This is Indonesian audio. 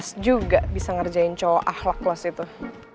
puas juga bisa ngerjain cowok ahlak lo siituh